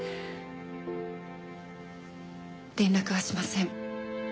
連絡はしません。